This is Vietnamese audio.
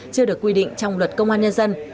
chưa được quy định trong luật công an nhân dân